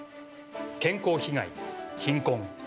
健康被害貧困。